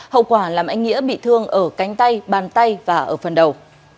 hậu quả làm anh nghĩa bị thương ở cánh tay bàn tay và ở phần đầu